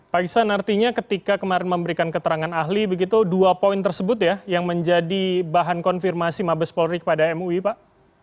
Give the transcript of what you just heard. pak iksan artinya ketika kemarin memberikan keterangan ahli begitu dua poin tersebut ya yang menjadi bahan konfirmasi mabes polri kepada mui pak